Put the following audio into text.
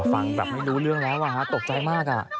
ฟังแบบไม่รู้เรื่องแล้วตกใจมาก